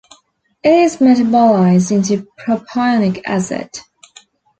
It is metabolized into propionic acid.